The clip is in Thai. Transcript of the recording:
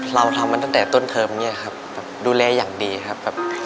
เราทำมาตั้งแต่ต้นเทอมดูแลอย่างดีครับ